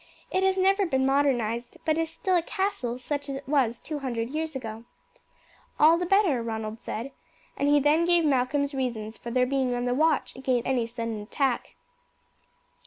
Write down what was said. It has never been modernized, but is still a castle such as it was two hundred years ago." "All the better," Ronald said; and he then gave Malcolm's reasons for their being on the watch against any sudden attack.